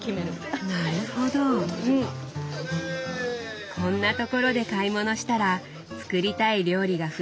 こんなところで買い物したら作りたい料理が増えそうですね。